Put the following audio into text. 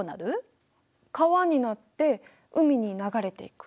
川になって海に流れていく。